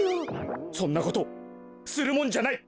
そんなことするもんじゃない！